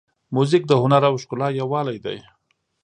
موزیک د هنر او ښکلا یووالی دی.